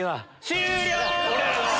終了！